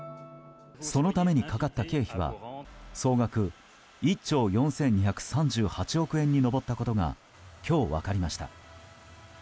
そのためにかかった経費は総額１兆４２３８億円に上ったことが今日分かりました。